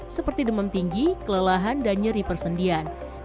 seperti demam tinggi kelelahan dan nyeri persendian